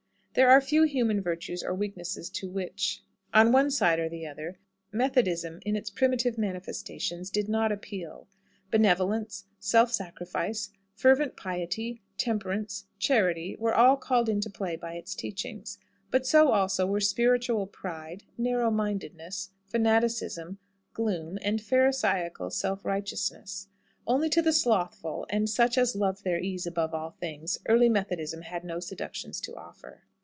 There are few human virtues or weaknesses to which, on one side or the other, Methodism in its primitive manifestations did not appeal. Benevolence, self sacrifice, fervent piety, temperance, charity, were all called into play by its teachings. But so also were spiritual pride, narrow mindedness, fanaticism, gloom, and pharisaical self righteousness. Only to the slothful, and such as loved their ease above all things, early Methodism had no seductions to offer.